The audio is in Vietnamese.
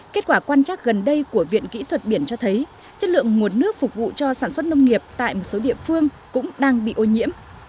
kết quả quan trắc gần đây của viện kỹ thuật biển cho thấy chất lượng nguồn nước phục vụ cho sản xuất nông nghiệp tại một số địa phương cũng đang bị ô nhiễm